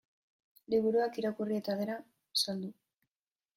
Liburuak irakurri eta gero, saldu.